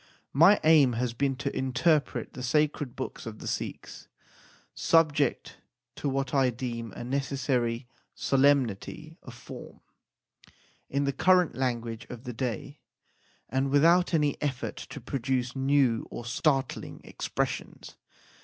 My aim has been to interpret the sacred books of the Sikhs, subject to what I deem a necessary solemnity of form, in the current language of the day, and without any effort to produce new or startling expressions.